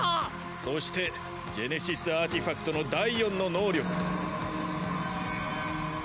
そしてジェネシスアーティファクトの第４の能力。